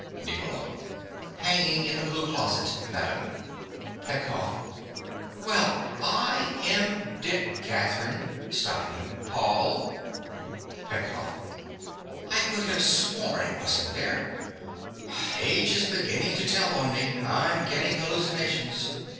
NICOLA. Hanging in the blue closet, madam. PETKOFF. Well, I am d— CATHERINE. (stopping him). Paul! PETKOFF. I could have sworn it wasn't there. Age is beginning to tell on me. I'm getting hallucinations.